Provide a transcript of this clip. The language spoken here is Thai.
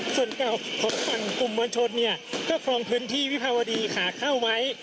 ส่วนเก่าของฝั่งกลุ่มมวลชนเนี่ยก็ครองพื้นที่วิภาวดีขาเข้าไว้